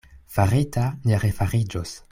Farita ne refariĝos.